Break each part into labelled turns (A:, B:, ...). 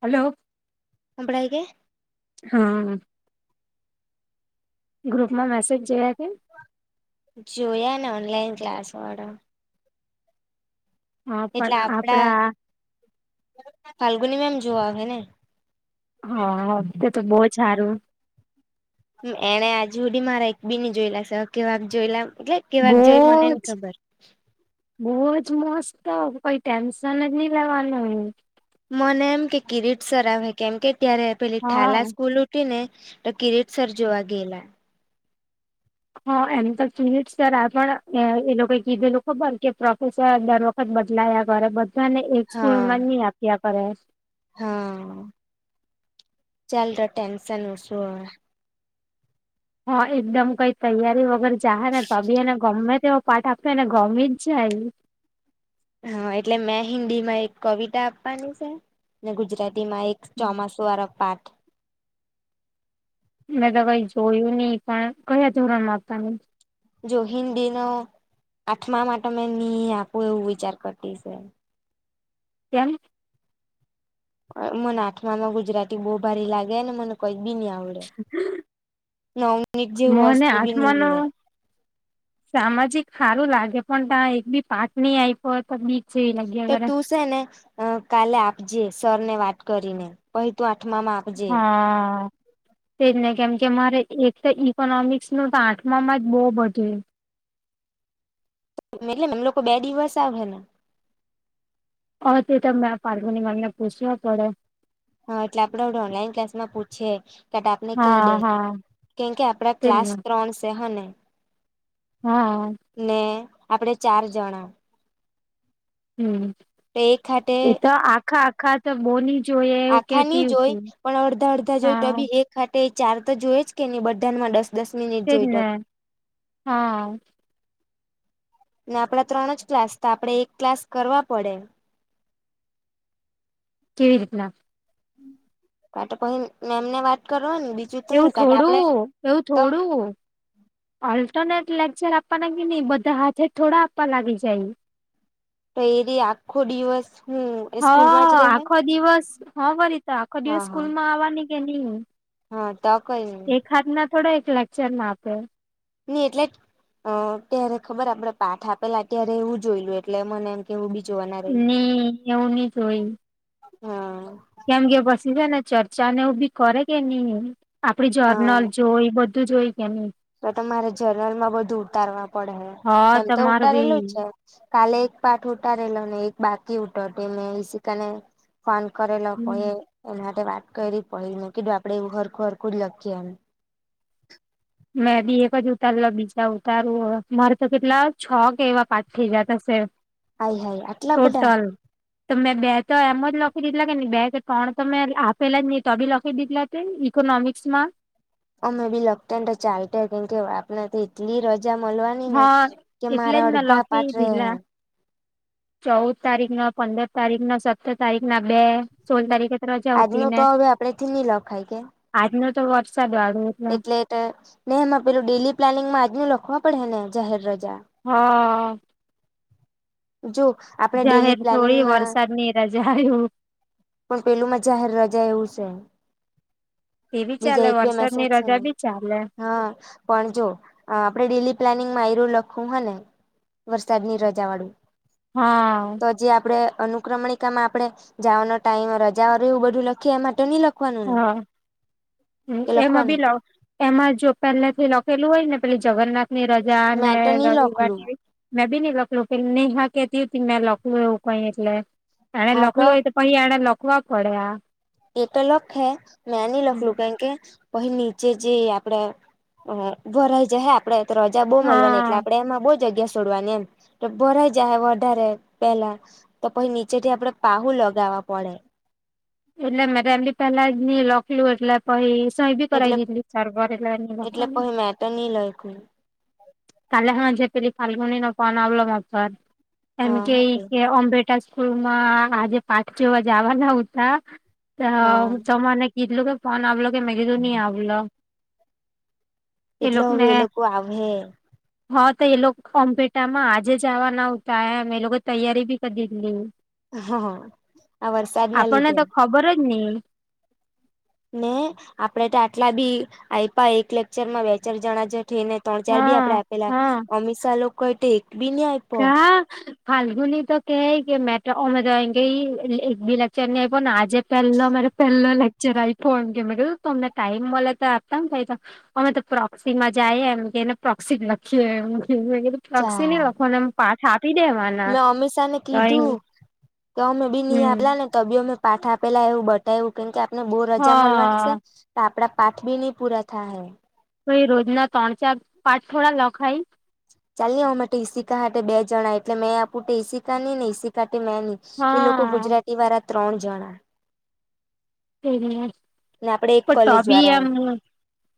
A: Hello
B: હંભળાય કે
A: હા ગ્રુપ માં મેસેજ જોયા કે
B: જોયા ને ઓનલાઈન ક્લાસ વાળો
A: હા
B: એટલે
A: પણ
B: આપડા ફલ્ગુનીમાં એમ જોવા આવે ને
A: હા તે તો બોહજ હારું
B: એણે આજુ હૂંદી મારા એક બી ની જોયેલા છે કેવાક જોયેલા એટલે કેવાક જોઈ મને ની ખબર.
A: બો જ મસ્ત કોઈ ટેન્શન જ નહી લેવાનું હોય
B: મને એમ કે કિરીટ સર આવે કેમ કે ત્યારે પેલી
A: હા
B: થાલા સ્કૂલ ઉઠી ને તો કિરીટ સર જોવા ગેલા
A: હા એમ તો કિરીટ સર આ પણ એ લોકો કીધેલું ખબર કે પ્રોફેસર દર બદલાયા કરે બધાને એક જ સ્કૂલ
B: હા
A: માં ની આપ્યા કરે.
B: હા ચાલ તો ટેન્શન ઓશું અવે
A: હા એકદમ કઈ તૈયારી વગર જાહે ને તોબી એને ગમે તે પાઠ આપે ને ગમી જ જાય.
B: હા એટલે મેં હિન્દી માં એક કવિતા આપવાની છે. ગુજરાતી માં એક ચોમાસુ વારો પાઠ
A: મેં તો કઈ જોયું નહી પણ કયા ધોરણ મા આપવાની
B: જો હિન્દી નો આઠમામા તો મેં ની આપું એવું વિચાર કરતી છે.
A: કેમ?
B: મને આઠમાનું ગુજરાતી બહુ ભારી લાગે ને મને કઈ બી ની આ આવડે ને મિનિટ જે
A: મને
B: વસ્તુ બી ની મલે
A: આઠમાનું સામાજિક હારું લાગે પણ ત્યા એક થી પાચ નહી આપ્યો હોય તો બી
B: તો તું છે ને કાલે આપજે સર ને વાત કરીને પહી તું આઠમામાં આપ
A: હા તેજ ને કેમ કે મારે એક તો ઈકોનોમિક્સ નું તો આઠમામાં જ બહુ બધું
B: એટલે મેમ લોકો બે દિવસ આવે
A: અ તે તો મે પાર્વતી મેમને પૂછ્યો પડે
B: હા એટલે આપડે ઓનલાઈન ક્લાસ માં પૂછયે તે તો આપને કેય
A: હા
B: દેય
A: હા.
B: કેમકે આપડા ક્લાસ
A: તેને
B: ત્રણ છે હને.
A: હા.
B: ને આપડે ચાર જણા.
A: હમ
B: તો એક હાથે
A: એ તો આખા આખા તો બોની. જોઈએ એવું
B: આખા ની
A: કેતી
B: જોય
A: હતી.
B: પણ અડધા અડધા જોઈ તો
A: હા.
B: બી એક ખાતે ચાર તો જોય જ કે નહી બધા માં દસ દસ મિનિટ
A: તેજ
B: જોઈ ત
A: ને હા
B: ને આપડા ત્રણ જ ક્લાસ હતા આપડે એક ક્લાસ કરવા પડે.
A: કેવી રીતના.
B: કા તો પહી મેમ ને વાત કરવા બી
A: એવું થોડું એવું થોડું. ઓલ્ટરનેટ લેક્ચર આપવાના કે ની બધા હાથે થોડા આપવા લાગી જાય.
B: તઈ રી આખો દિવસ હું એ
A: હ
B: સ્કૂલમાં જ રહે
A: આખો દિવસ હ બરી તો આખો
B: હા
A: દિવસ
B: હા
A: સ્કૂલ માં આવાની કે ની
B: હા તો કઈની
A: ખાદના થોડો એક લેક્ચર માં આપે.
B: નઈ એટલે અ ત્યારે ખબર આપડે પાઠ આપેલા ત્યારે એવું જોયલું એટલે મને એમ. કેવું બી જોવાને
A: ની એવું નહ જ હોય.
B: હા.
A: એમ કે બસી છે ને ચર્ચા ને એ બી કરે કે નહી આપડી
B: હા
A: જર્નલ જો એ બધું. ધુ જોઈ કે નહી.
B: તો તમારે જનરલ માં બધું ઉતારવા પડે હે
A: હા
B: એમ તો
A: તમાર ભાઈ
B: ઉતારેલું છે. કાલે એક પાઠ ઉઠારેલો ને એક બાકી હતો મેને ઈશિકા ને ફોન કરેલોએ એ માટે વાત કરી પડીને કીધું આપડે એવું હરખું હરખું જ લખીએ એમ.
A: મેં બી એક જ ઉતારલા બીજા ઉતારવ મારે તો કેટલા છો કે એવા પાંચ ખેજા થશે.
B: હાય હાય આટલા બધા
A: ટોટલ. તો મેં બે તો એમ જ લખી દીધલા કે નં બે કે ત્રણ તો મેં આપેલા જ નહી તો બી લખી દીધલા. ઇકોનોમિક્સ માં.
B: અમે બી લખતા ને તો ચાલતા કેમ કે આપણે તો એટલી રજ જા મળવાની ને
A: હા
B: કે
A: એટલે
B: મારા
A: જ મેં
B: અડધા
A: લખી
B: પાઠરે.
A: દીધલા ચૌદ તારીખ ના પંદર તારીખ ના સત્તર તારીખ ના બે. સોલ તારીખે તો રજા આવતી
B: આજનું
A: ને
B: તો હવે આપડેથી ની લખાય કે
A: આજનો તો વરસાદ વાળો.
B: એટલે ને એમાં પેલું ડેલી પ્લાનિંગમાં આજ ન લખવા પડે હે ને જાહેર રજા.
A: હા.
B: જો આ
A: જાહેર થોડી વરસાદની રજા આવું.
B: પણ પેલું માં જાહેર રજા એવું છે.
A: એ બી
B: બીજા
A: ચાલે
B: એક બે મેસેજ
A: વરસાદની
B: છે
A: રજા
B: ને
A: બી ચાલે.
B: હા પણ જો આપડે ડેલી પ્લાનિંગ માં એર લખવું હે ને. વરસાદ ની રજા વાળું.
A: હા.
B: તો જે આપે અનુક્રમણિકામાં આપણે જવાનો ટાઈમ રજાઓ એવું બધું લખીએ એ માટે નહી લખી. ખવાનુંને.
A: હ એમાં બી એમાં જો પેલા થી લખેલું હોય ને પે જગન્નાથ ની રજા અને
B: મેં તો ની
A: રવિવાર
B: લખલું
A: ની. મેં બી નહી લખલું પેલી નેહા કેતી મેં લખલું એવું કઈ એટલે એ લખલું હોય તો અહી એને લખવા પડ્યા.
B: એ તો લખ હે મેં ની લખલું કેમ કે પહો નીચે જે આપડે અ વરાઈ જ હ આપડે. તો રજા બહુ મળવાની એટલે
A: હા
B: આપણે એમાં બહુ જગ્યા સોડવાની એમ? તો ભરાઈ જાહે વધારે પહેલા. તો પછી, નીચે થી આપડે પાહુ લગાવવા પડે.
A: એટલે મે તારાથી પેલા જ ની લખલું એટલે. પહી સયબી કરાવી લીધી. સરારભરેલા ની વાચાય.
B: મેતો ની લખ્યું
A: કાલે હાંજે પેલી ફાલ્ગુનીનો ફોન આવલો મારી પર. એમ
B: હા
A: કે,
B: ઓકે
A: અમ તા સ્કૂલ માં આજે પાંચ જોવા જવાના ઉતા. ત..
B: હા
A: ત મને કીધલું કે, ફોન આવલો કે? મે કીધું ની આવલો.
B: એટલો હવે એ લોકો આવહે.
A: હા તો એ લોકો કોમ્પેટામાં આજે જાવવાના ઉતા એમ. એ લોકો તૈયારી ભી કરી દીધી હતી.
B: હ આ વરસાદના
A: આપણને
B: લીધે
A: તો ખબર જ ની.
B: ને! આપડે તો આટલા બી આયપા એક લેક્ચર માં બે-ચાર જણા જ થઈ ને. ત્રણ-ચાર બી
A: હા
B: આપડે આપેલા.
A: હા
B: અમીષા લોકોએ તો એક બી ની આયપો.
A: ફાલ્ગુનીતો કેય કે, મે તો, અમે તો, એમ કેય એક ભી લેક્ચર ની આયપો ને, આજે પે પેલો લેકચર આયપો એમ કે. મે કીધું તમને ટાઈમ મલે તો આપતા હું થાય તો. અમે તો પ્રોક્ષીમાં જાય એમ. એને પ્રોક્ષી જ લખ્યું એમ. મેં કીધું પ્રોક્ષી ની
B: ચાલ
A: લખવાનું એમ. પાઠ આપી દેવાના.
B: મેં અમીષા ને
A: તો એ
B: કીધું. તો અમે બી ની
A: હમ
B: આપલા ને, તો બી અમને પાઠ આપેલા એવું બ એવું કેમ કે, આપને બો
A: હ
B: રજા મલવાની છે. તો આપડા પાઠ બી ની પૂરા થાય હે.
A: તો એ રોજના ત્રણ-ચાર પાઠ થોડા લખાય.
B: ચાલની અમે ટ ઈસિકા લોકો બે જણા. એટલે મેં આપું ટે ઈસિકા ની, ને ઈસિકા ટે મે ની. એ લોકો
A: હા
B: ગુજરાતી વાળા ત્રણ જણા.
A: પણ
B: ને આપડે એક
A: તો
B: કોલેજ
A: બી
B: વાળા
A: એમ...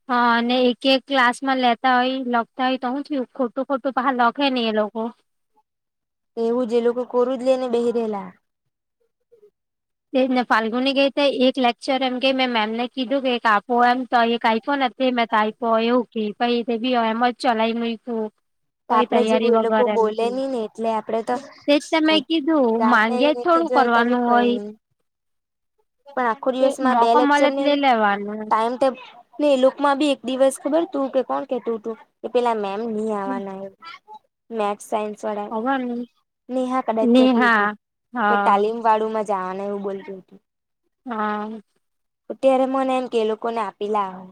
A: હા અને એક-એક ક્લાસ માં લેતા હોય, લખતા હોય, તો હું થયુ. તો ખોટું પાહા લખે ની. એ લોકો.
B: એવું જ. એ લોકો કોરું જ લેય ને બેહી રેલા.
A: તે જ ને. ફાલ્ગુની ગેય ત એક લેક્ચર એમ કે, મેં મેમને કીધું કે, આપો એમ. તો એક આયપોને. તે મે કાયપો એવુ કેય. પહિ તે ભી એમ જ ચલાવી મુયકુ.
B: ત આપડે જેવુ એ લોકો બોલે ની ને, એટલે આપડે ત,
A: તેજ તો મેં કીધું
B: ગાળ દેઈ
A: માંગ્યા જ
B: ને ખી
A: થોડું
B: જય ત બી
A: કરવાનું
B: કઈ
A: હોય
B: ની. પણ આખો
A: એ
B: દિવસમાં બે
A: મોકો મલે
B: લેક્ચર
A: તો લઈ
B: નેવું.
A: લેવાનું
B: ટાઈમ ટેબલ. ને એ લોકમાં બી, એક દિવસ ખબર! તું કે કોણ કેતું હતું. કે પેલા મેમ ની આવાના. મે સાયન્સ વાળા.
A: ખબર નઈ
B: ની હાતા, બે જ કેટી
A: નેહા
B: ઉટી. કે
A: હા
B: તાલીમ વાળું માં જા ને એવું બોલટી હતી.
A: હા...
B: ત્યારે મને એમ કે લોકો ને આપીલા હે.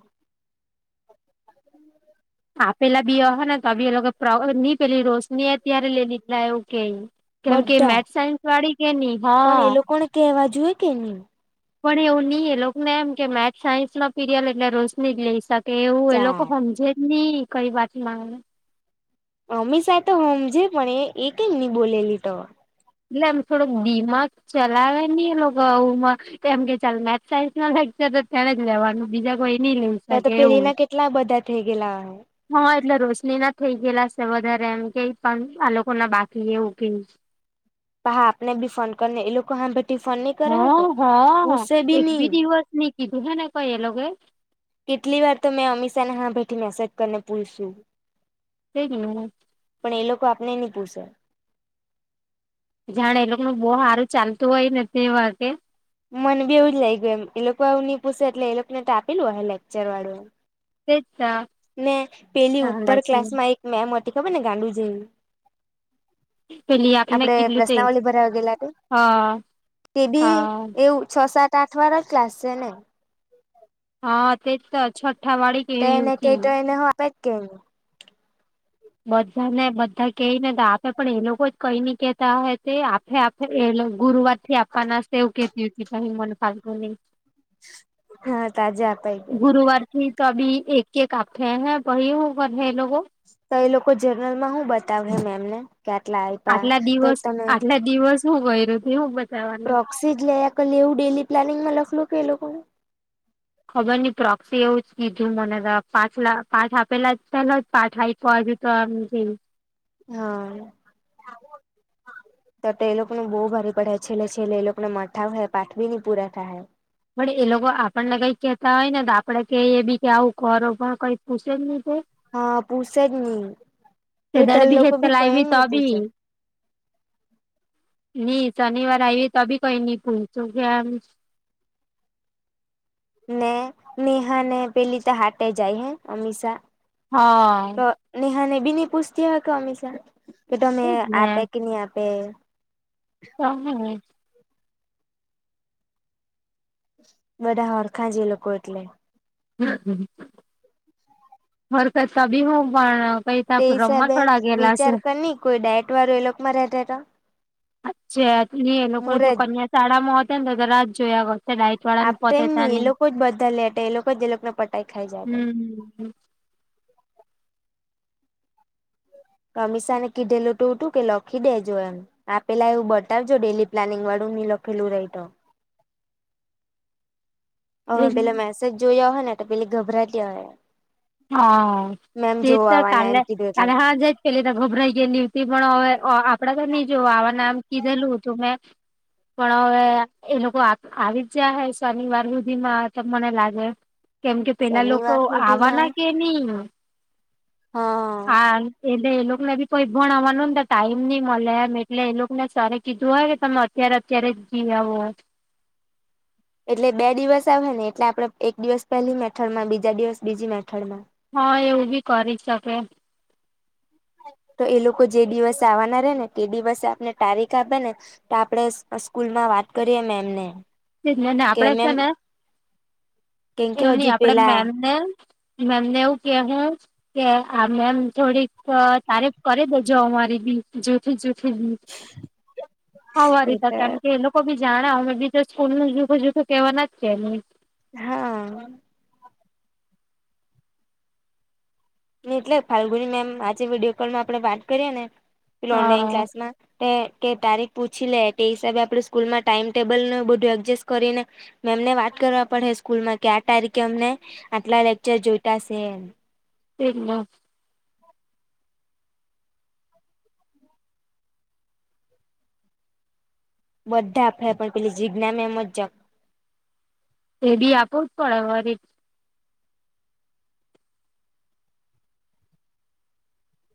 A: આપેલા બી અહેને તો બી, એ લોકો પ્ર ની પેલી રોશનીએ ત્યારે લેય લીધલા એવું કેય. કેમ કે
B: બધા
A: મેથ્સ-સાયન્સ વાડી કે ની.
B: પણ
A: હા
B: એ લોકોને કેવા જુએ કે ની.
A: પણ એવું ની. એ લોકોને એમ કે એમ કે મેથ્સ-સાયન્સ ના પીરિયડ એટલે રોશની જ લઈ શકે. એવું. એ લોકો
B: ચાલ
A: હમજે જ ની, કઈ વાતમાં અમે
B: અમીષા એ તો હમજે પણ એ, એ કેમ ની બોલેલી ટ.
A: એટલે એમ, થોડોક દિમાગ ચલાવે ની. એ લોકો એવુમાં. ત એમ કે ચાલ મેથ-સાયન્સ ના લેક્ચર તો તેણે જ લેવાનું. બીજા કોઈ ની લઈ
B: ત ત
A: શકે
B: પેલી ના કેટલા બધા થઈ ગેલા અહે.
A: હ. એટલે રોશની ના થઈ ગયેલા છે વધારે એમ કે. પણ આ લોકો ના બાકી એવું કેધુ છે.
B: હા આપને ભી ફોન કરને એ લોકો હાંભે.
A: હ હ હ
B: બી ની
A: એકભી દીવસ નીત કીધુંછને કઈ એ લોકોએ.
B: કેટલી વાર તો મેં અમીષા ને હાંભેથી મેસેજ કરીને પૂયસુ.
A: [inaudible]
B: પણ એ લોકો આપને નહી પૂસેે
A: જાણે એ લોકો નુ બહુ સારું ચાલતું હોય ને તેવા કે.
B: મને બી એવું જ લાગ્યું એમ એ લોકો આવું નઈ પૂછે એટલે એ લોકો ને તો આપેલું ઓહે લેક્ચર વાળું એ.
A: તે ત્યાં
B: ને પેલી ઉપર ક્લાસ માં એક મેમ હતી ખબર ને ગાંડુ જેવી.
A: પેલી આપને
B: આપડે
A: કેટલું તે
B: પ્રશ્નાવલી ભરાવા ગયેલા તે.
A: અ
B: તે
A: અ
B: ભી એવું છ સાત આઠ વાળ જ ક્લાસ છે ને.
A: હા તે તો [unintelligible] વાડી
B: તો એને કેય તો એને હો આવે કે ની.
A: બધા ને બધા કહી ને તો આપે પણ એ લોકો જ કઈ ન કેતા હ તે આપે એ ગુરુવાર થી આપવાના સેવ કેતી હોતી ભાઈ મન ફાલતુ નહી
B: હા તાજા અપાઈ ગાય.
A: ગુરુવારથી તો તો ભી એક એક આપે હૈ બહી હું કર હે એ લોકો
B: તો એ લોકો જર્નલ માં હું બતાવશે મેમને કે આટલા આપ્યા
A: આટલા
B: તો
A: દિવસ
B: તમે
A: આટલા દિવસ શું હોય [unintelligible]
B: પ્રોક્સી જ લે આ કાર લી એવું ડેલી પ્લાનિંગમાં લખેલું કે એ લોકોએ.
A: ખબર નહી પ્રોક્સી એવું જ કીધું મને ત્યાં પાંચ લા પાઠ આપેલા છે ને પાઠ આઈ [unintelligible]
B: હા. તો તે એ લોકોને બહુ ભારે પડે છેલ્લે છેલ્લે એ લોકોને મથાવે પાઠ વી ની પૂરા થાય.
A: પણ એ લોકો આપણને કઈ કેતા હોય ને તો આપડે કે એ બી કે આવું કરો પણ કઈ પૂછે જ નહી તે.
B: હા પૂછે જ નહીં.
A: [unintelligible] હ તો લાઈવી તો
B: પૂસે
A: ભી નહી શનિવાર આવીએ તો બી કઈ નઈ પૂયછુ કેમ
B: ને નેહા ને પેલી તો હાટે જાય હે અમીશા.
A: હા
B: નેહા ને બી ની પૂછતી હો કે અમીશા કે તમે
A: તેજ ને
B: આપે કે નહી આપે.
A: [unintelligible]
B: બધા હરખાં જ એ લોકો એટલે.
A: [unintelligible] બી હું પણ કઈ
B: તે
A: ત્યા રમા
B: હિસાબે
A: થોડા ગેલા
B: વિચાર
A: છે.
B: કર ની કોઈ ડાયટ વાળું એ લોકો માં રહેતા હતા
A: અચ્છા એ લોકો જો
B: મુરજ
A: કન્યા શાળામાં હોતે ને તો રાત જોયા વ તે ડાયટ વાળાને
B: આપતે
A: પતે
B: જ
A: ત્યાં
B: એ
A: ની
B: લોકો જ બધા લેટે એ લોકો જ એ લોકોને પટાઈ ખાઈ જાતા
A: હમ્મ હમ્મ.
B: તો અમીશા ને કીધેલું હતું તું કે લખી દેજો અનુ. આપેલા એવું બતાવજો ડેલી પ્લાનિંગ વાળું ની લખેલું રહી તો. હવે
A: એજ ને
B: પેલા મેસેજ જોયા હોય ને તો પેલી ગભરાતી હોય.
A: હ
B: મેમ
A: તે
B: જોવા
A: તો
B: આવવાના એમ
A: કાલે
B: કીધું એટલે
A: કાલે હાજે એટલે ત્યાં ગભરાઈ ગઈ ને ડ્યુટી પણ હવે આપડા તો નઈ જો આવા નામ કીધેલું હતું તો મે
B: [inaudible]
A: પણ હવે એ લોકો આવી જ જયા હે શનિવાર હુધી માં તો મને લાગે. કેમ કે પેલા લોકો
B: શનિવાર સુધીમાં
A: આવાના કે નહી.
B: હ
A: હા. એટલે એ લોકોને બી કોઈ ભણવાનું ને તો ટાઈમ નઈ મળે એમ એટલે એ લોકો ને સર કીધું હોય કે તમે અત્યારે અત્યારે જી આવો
B: એટલે બે દિવસ આવે ને એટલે આપડે એક દિવસ પહેલી મેથડ માં બીજા દિવસ બીજી મેથડ માં.
A: હા, એવું બી કરી શકે.
B: તો એ લોકો જે દિવસ આવવાના રે ને તે દિવસે આપને તારીખ આપે ને તો આપડે સ્કૂલમાં વાત કરીએ મેમને-
A: ને
B: કે
A: આપડે છે
B: મેમ
A: ને
B: કેમ કે
A: એમની
B: હજુ
A: આપડે
B: પેલા
A: મેમને- મમને એવું કે હું- કે આ મેમ થોડીક તારીફ કરી દેજો અમારી બી જૂઠી જૂઠી બી- આ
B: એ
A: રીતા કારણ કે એ લોકો બી જાણે અમે બી- સ્કૂલ નું જુદુ જુદુ કેવાના જ છે એમ-
B: હા- એટલે ફાલ્ગુની મેમ આજે વિડીયો કોલમાં આપણે વાત કરીએે ને ઓનલાઈન
A: હા
B: ક્લાસ માં- એ કે તારીખ પૂછી લે તે હિસાબે આપણે સ્કૂલમાં ટાઈમ ટેબલ નું બધું એડજસ્ટ કરીને- મે એમને વાત કરવા પડે સ્કૂલમાં કે આ તારીખે અમને આટલા લેકચર જોતાશે-
A: કેટલા-
B: બધા આપણ પેલી જીજ્ઞા મેમ જ જ
A: એ બી આપવું જ પડે વરી-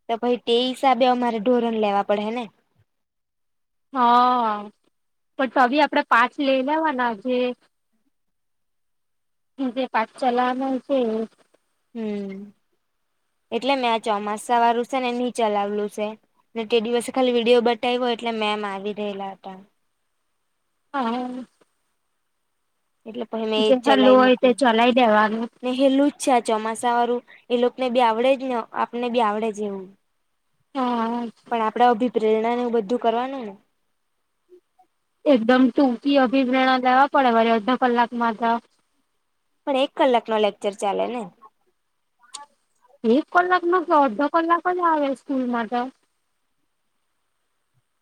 B: તો પહી તે હિસાબે અમારે ઢોરણ લેવા પડે હે ને-
A: હા પણ તો ભી આપણને પાંચ લઈ લેવાના જે- [unintelligible] જે પાંચ ચલાવાનું છે
B: હમ એટલે મેં આ ચોમાસા વાલુ છે ને ની ચલાવલું છે ને તે દિવસે ખાલી વિડીયો બતાવ્યો હોય એટલે મેમ આવી રેયેલા હતા
A: હા
B: એટલે પહિ મેં
A: જે
B: એ
A: હેલું
B: ચલાવી
A: હોય તે
B: મૂકું.
A: ચલાઈ દેવાનું
B: ને હેલું જ છે આ ચોમાસા વાળું એ લોકો ને બી આવડે જ ને આપને બી આવડે જ એવું.
A: હા
B: પણ આપણે અભીપ્રેરણા ને બધું કરવાનું ને
A: એકદમ ટૂંકી અભિપ્રેણા લેવા પડે મારે અડધા કલાક માતો
B: પણ એક કલાક નો લેક્ચર ચાલે ને
A: એક કલાક નો તો અડધો કલાક જ આવે સ્કૂલમાં તો.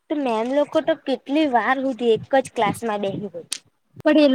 B: તો મેમ લોકો તો કેટલી વાર સુધી એક જ ક્લાસમાં બેહી રેય.
A: [unintelligible]